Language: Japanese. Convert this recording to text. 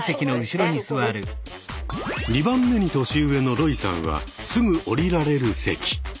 ２番目に年上のロイさんはすぐ降りられる席。